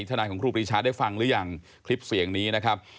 ทนายของครูปรีชาได้ฟังหรือยังคลิปเสียงนี้นะครับ